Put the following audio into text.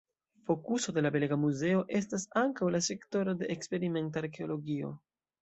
Fokuso de la belega muzeo estas ankaŭ la sektoro de eksperimenta arkeologio.